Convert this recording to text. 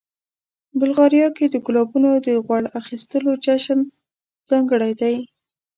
بلغاریا کې د ګلابونو د غوړ اخیستلو جشن ځانګړی دی.